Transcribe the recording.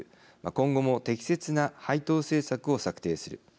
今後も適切な配当政策を策定する。